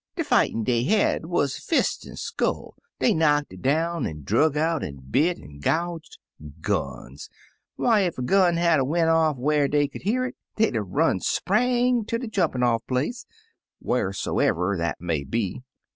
"De fightin' dey had wuz fist an' skull; dey knocked down an' drug out, an' bit an' gouged. Guns ! why, ef a gun had 'a' went off whar dey could hear it, dey'd er run spang ter de Jumpin' Off Place, wharsomever dat may be.